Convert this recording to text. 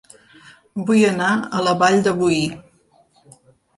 Vull anar a La Vall de Boí